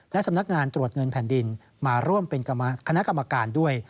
และสำนักงานตรวจเงินแผ่นดินมาร่วมเป็นคณะกรรมการด้วย